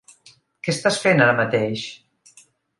Què estàs fent ara mateix?